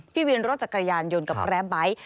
พี่วินรถจักรยานยนต์กับแร้ไบท์